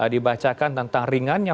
dibacakan tentang ringannya